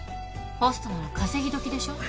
ホストなら稼ぎ時でしょ。